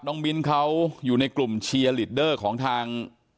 มิ้นเขาอยู่ในกลุ่มเชียร์ลีดเดอร์ของทาง